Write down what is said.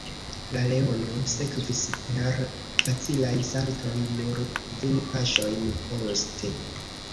La leono sekvis per facilaj saltoj nur kvin paŝojn poste.